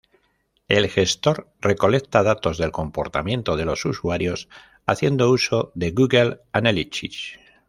El gestor recolecta datos de comportamiento de los usuarios haciendo uso de "Google Analytics".